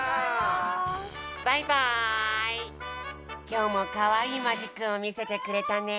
今日もかわいいマジックを見せてくれたね。